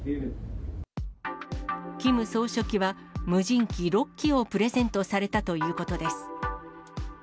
キム総書記は、無人機６機をプレゼントされたということです。